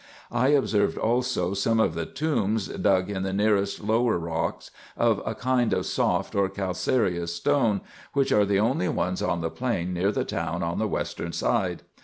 I observed also some of the tombs dug in the nearest lower rocks, of a kind of soft or calcareous stone, which are IN EGYPT, NUBIA, &c. 335 the only ones on the plain near the town on the western side.